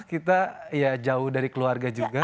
kita ya jauh dari keluarga juga